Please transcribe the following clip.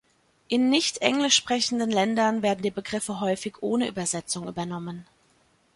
In nicht Englisch sprechenden Ländern werden die Begriffe häufig ohne Übersetzung übernommen.